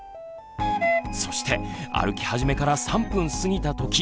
そして歩き始めから３分過ぎた時。